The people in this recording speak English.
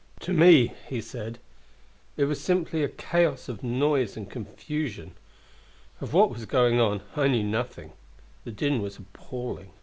"To me," he said, "it was simply a chaos of noise and confusion. Of what was going on I knew nothing. The din was appalling.